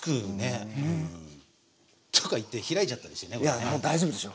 いやもう大丈夫でしょ。